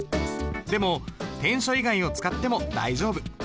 でも篆書以外を使っても大丈夫。